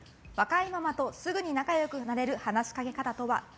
若いママとすぐに仲良くなれる話しかけ方とは？